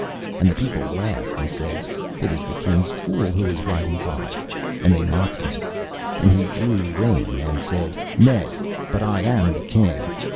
And the people laughed and said, 'It is the King's fool who is riding by,' and they mocked him. And he drew rein and said, 'Nay, but I am the King.